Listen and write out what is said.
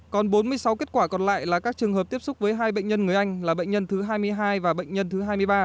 còn bốn mươi sáu kết quả còn lại là các trường hợp tiếp xúc với hai bệnh nhân người anh là bệnh nhân thứ hai mươi hai và bệnh nhân thứ hai mươi ba